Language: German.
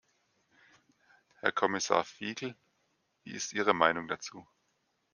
Herr Kommissar Figel', wie ist Ihre Meinung dazu?